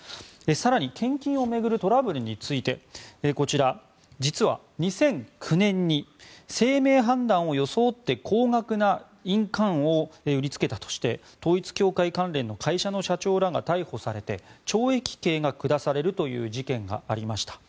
更に献金を巡るトラブルについてこちら、実は２００９年に姓名判断を装って高額な印鑑を売りつけたとして統一教会関連の会社の社長らが逮捕されて、懲役刑が下されるという事件がありました。